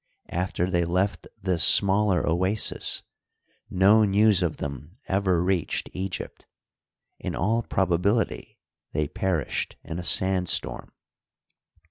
After they left this smaller oasis no news of them ever reached Egypt ; in all probability they perished in a sand storm.